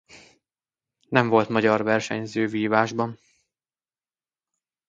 Nem volt magyar versenyző vívásban.